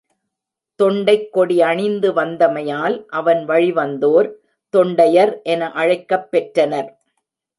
தொண்டைக் கொடி அணிந்து வந்தமையால், அவன் வழிவந்தோர் தொண்டையர் என அழைக்கப் பெற்றனர்.